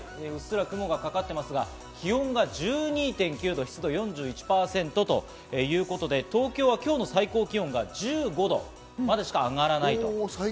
うっすら雲がかかっていますが、気温は１２．９度、湿度４１％ということで、東京は今日の最高気温が１５度です。